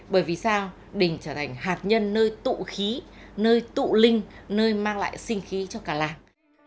bởi vì sao đình trở thành hạt nhân nơi tụ khí nơi tụ linh nơi mang lại sinh khí cho cả làng